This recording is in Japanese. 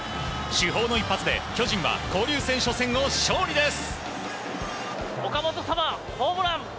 主砲の一発で巨人は交流戦初戦を勝利です。